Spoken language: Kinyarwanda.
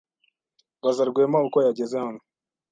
Baza Rwema uko yageze hano.